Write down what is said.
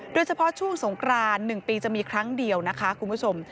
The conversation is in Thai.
โดยเฉพาะช่วงสงกราน๑ปีจะมีครั้งเดียวนะคะคุณผู้ชม